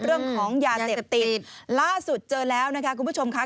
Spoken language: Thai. เรื่องของยาเสพติดล่าสุดเจอแล้วนะคะคุณผู้ชมค่ะ